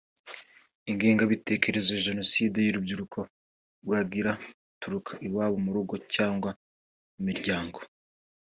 ingengabitekerezo ya Jenoside urubyiruko rwagira ituruka iwabo mu rugo cyangwa mu miryango